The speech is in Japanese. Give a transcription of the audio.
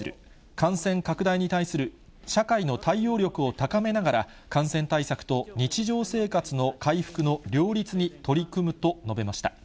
感染拡大に対する社会の対応力を高めながら、感染対策と日常生活の回復の両立に取り組むと述べました。